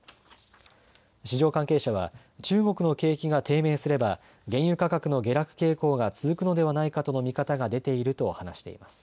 市場関係者は中国の景気が低迷すれば原油価格の下落傾向が続くのではないかとの見方が出ていると話しています。